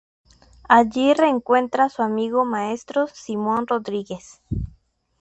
Allí reencuentra a su antiguo maestro Simón Rodríguez.